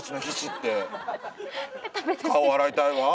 顔洗いたいわ。